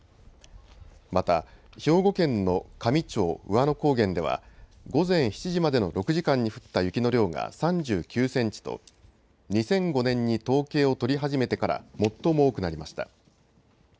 また兵庫県の香美町兎和野高原では午前７時までの６時間に降った雪の量が３９センチと２００５年に統計を取り始めてから最も多くなりました。